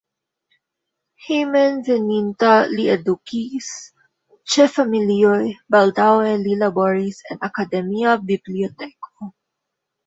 Hejmenveninta li edukis ĉe familioj, baldaŭe li laboris en akademia biblioteko.